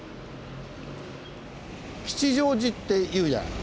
「吉祥寺」っていうじゃない。